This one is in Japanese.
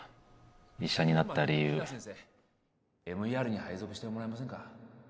医者になった理由ＭＥＲ に配属してもらえませんか？